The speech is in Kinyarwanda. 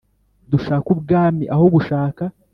Dushake ubwami aho gushaka